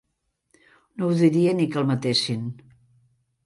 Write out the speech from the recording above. No ho diria ni que el matessin.